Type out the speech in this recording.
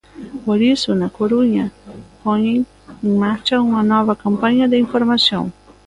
Por iso na Coruña poñen en marcha unha nova campaña de información.